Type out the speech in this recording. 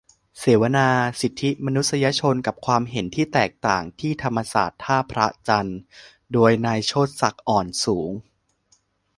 เสวนา "สิทธิมนุษยชนกับความเห็นที่แตกต่าง" ที่ธรรมศาสตร์ ท่าพระจันทร์ - นายโชติศักดิ์ อ่อนสูง